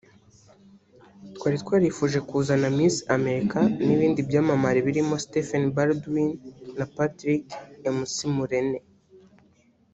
Twari twarifuje kuzana Miss America n’ibindi byamamare birimo Stephen Baldwin na Patrick McMullen